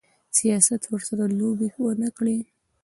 سیاست ورسره لوبې ونه کړي.